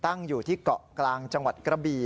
ตั้งอยู่ที่เกาะกลางจังหวัดกระบี่